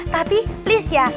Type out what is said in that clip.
tapi please ya